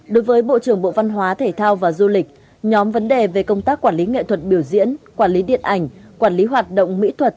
đối với bộ trưởng bộ văn hóa thể thao và du lịch nhóm vấn đề về công tác quản lý nghệ thuật biểu diễn quản lý điện ảnh quản lý hoạt động mỹ thuật